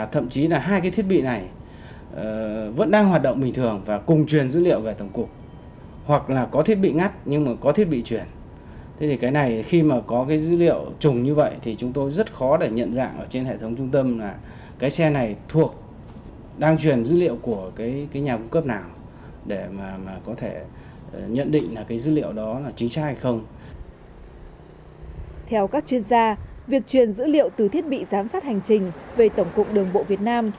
theo các chuyên gia việc truyền dữ liệu từ thiết bị giám sát hành trình về tổng cục đường bộ việt nam